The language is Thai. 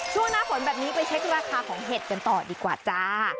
ช่วงหน้าฝนแบบนี้ไปเช็คราคาของเห็ดกันต่อดีกว่าจ้า